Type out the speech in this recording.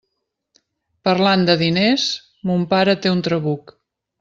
Parlant de diners, mon pare té un trabuc.